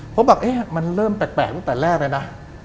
ผมบอกเอ๊ะมันเริ่มแปลกตั้งแต่แรกเลยนะ